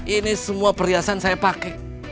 ini semua perhiasan saya pakai